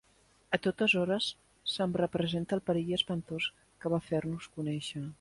A totes hores se'm representa el perill espantós que va fer-nos conèixer;